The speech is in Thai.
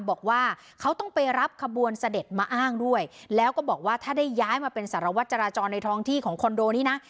บอกว่าเขาต้องไปรับขบวนเสด็จมาอ้างด้วยแล้วก็บอกว่าถ้าได้ย้ายมาเป็นสารวัตรจราจรในท้องที่ของคอนโดนี้นะ